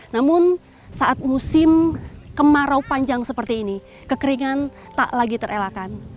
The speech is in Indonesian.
namun saat musim kemarau panjang seperti ini kekeringan tak lagi terelakkan